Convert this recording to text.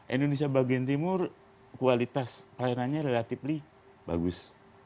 indonesia bagian timur kualitas pelayanannya relatively bagus